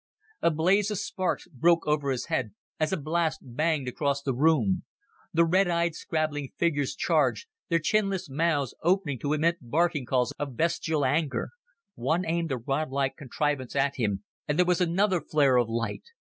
A blaze of sparks broke over his head as a blast banged across the room. The red eyed, scrabbling figures charged, their chinless mouths opening to emit barking calls of bestial anger. One aimed a rodlike contrivance at him, and there was another flare of light.